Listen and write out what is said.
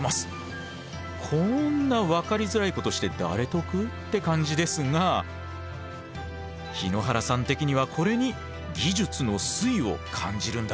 こんな分かりづらいことして誰得？って感じですが日野原さん的にはこれに技術の粋を感じるんだとか。